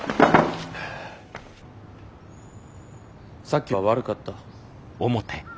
さっきは悪かった。